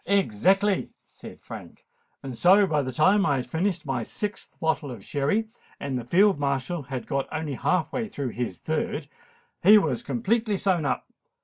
"Exactly," said Frank: "and so by the time I had finished my sixth bottle of Sherry, and the Field Marshal had only got half way through his third, he was completely sewn up.